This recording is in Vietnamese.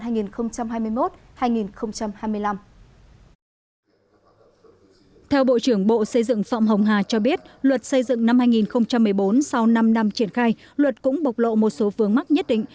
theo bộ trưởng bộ xây dựng phạm hồng hà cho biết luật xây dựng năm hai nghìn một mươi bốn sau năm năm triển khai luật cũng bộc lộ một số vướng mắc nhất định